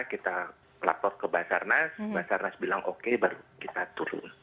kita lapor ke basarnas basarnas bilang oke baru kita turun